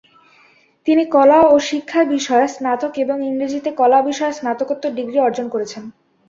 তিনি কলা ও শিক্ষা বিষয়ে স্নাতক এবং ইংরেজিতে কলা বিষয়ে স্নাতকোত্তর ডিগ্রি অর্জন করেছেন।